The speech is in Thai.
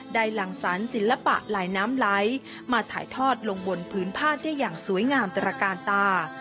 หลังสารศิลปะลายน้ำไหลมาถ่ายทอดลงบนพื้นพาดได้อย่างสวยงามตระกาลตา